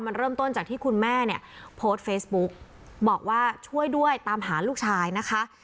มันเริ่มต้นจากที่คุณแม่เนี่ยโพสต์เฟซบุ๊กบอกว่าช่วยด้วยตามหาลูกชายนะคะ